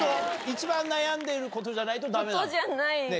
一番悩んでいることじゃないとダメなの？